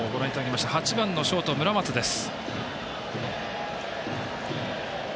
バッター８番のショート、村松です。